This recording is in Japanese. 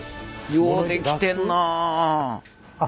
よう出来てんなあ。